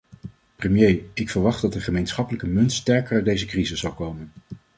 Premier, ik verwacht dat de gemeenschappelijke munt sterker uit deze crisis zal komen.